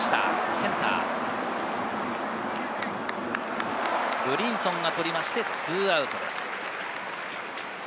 センター、ブリンソンが捕って２アウトです。